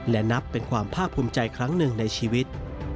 และนับเป็นความภาคภูมิใจครั้งหนึ่งในชีวิต